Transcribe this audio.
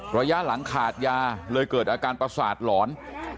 ระยะหลังขาดยาเลยเกิดอาการประสาทหลอน